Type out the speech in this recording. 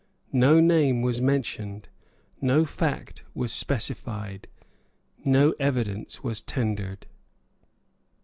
No name was mentioned; no fact was specified; no evidence was tendered.